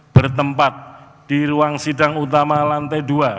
bertempat di ruang sidang utama lantai dua